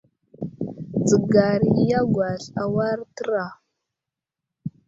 Dzəgar i aŋgwasl awar təra.